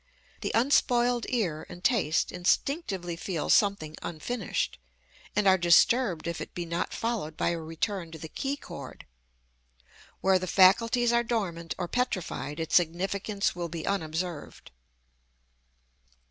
The unspoiled ear and taste instinctively feel something unfinished, and are disturbed if it be not followed by a return to the key chord. Where the faculties are dormant or petrified, its significance will be unobserved.